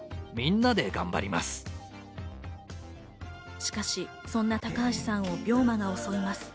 しかし、そんな高橋さんを病魔が襲います。